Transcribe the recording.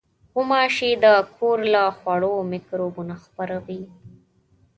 غوماشې د کور له خوړو مکروبونه خپروي.